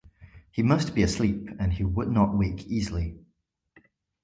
He must be asleep, and he would not wake easily.